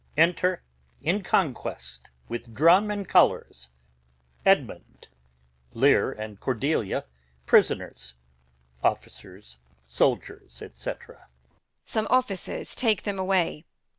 Enter, in conquest, with Drum and Colours, Edmund; Lear and Cordelia as prisoners; Soldiers, Captain. Edm. Some officers take them away.